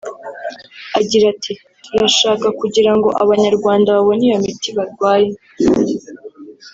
Agira ati “Turashaka kugira ngo Abanyarwanda babone iyo miti barwaye